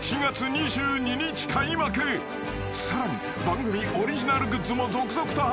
［さらに番組オリジナルグッズも続々と発売］